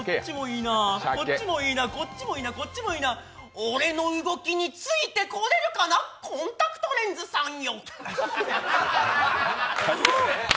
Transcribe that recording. どっちもいいな、こっちもいいな、こっちもいいな、俺の動きについてこれるかな、コンタクトレンズさんよ。